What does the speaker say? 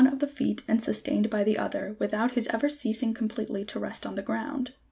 of the feet and sustained by the other, without his ever ceasing completely to rest on the ground.